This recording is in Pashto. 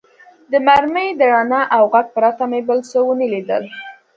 د مرمۍ د رڼا او غږ پرته مې بل څه و نه لیدل.